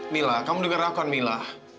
mila kamu denger aku mila